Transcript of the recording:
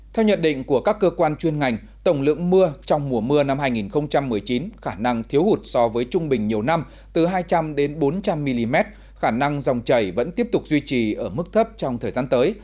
theo nhận định của các cơ quan chuyên ngành tổng lượng mưa trong mùa mưa năm hai nghìn một mươi chín khả năng thiếu hụt so với trung bình nhiều năm từ hai trăm linh bốn trăm linh mm khả năng dòng chảy vẫn tiếp tục duy trì ở mức thấp trong thời gian tới